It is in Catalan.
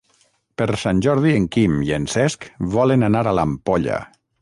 Per Sant Jordi en Quim i en Cesc volen anar a l'Ampolla.